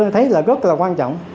tôi thấy rất quan trọng